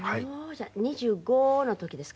じゃあ２５の時ですか？